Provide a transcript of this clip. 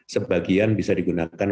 sebagian bisa digunakan